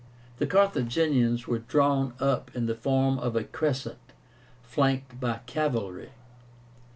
The Carthaginians were drawn up in the form of a crescent, flanked by cavalry.